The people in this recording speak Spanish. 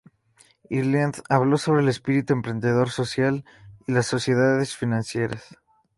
Ireland habló sobre el espíritu emprendedor social y las sociedades financieras.